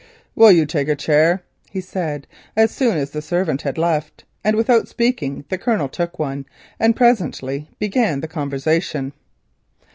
"Will you take a chair?" he said, as soon as the servant had left, and without speaking Harold took one—and presently began the conversation.